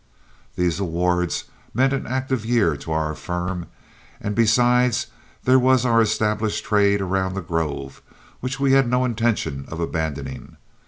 These awards meant an active year to our firm, and besides there was our established trade around The Grove, which we had no intention of abandoning.